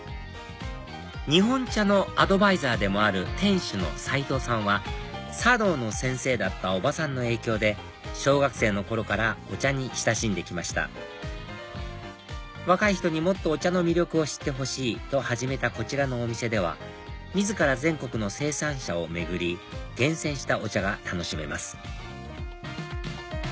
日本茶のアドバイザーでもある店主の齊藤さんは茶道の先生だったおばさんの影響で小学生の頃からお茶に親しんできました若い人にもっとお茶の魅力を知ってほしいと始めたこちらのお店では自ら全国の生産者を巡り厳選したお茶が楽しめます